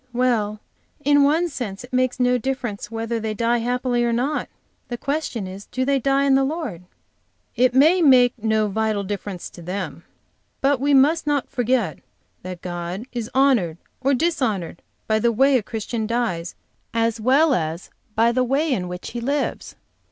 "Well, in one sense it makes no difference whether they die happily or not. The question is do they die in the Lord?" "It may make no vital difference to them, but we must not forget that God is honored or dishonored by the way a Christian dies, as well as by the way in which he lives.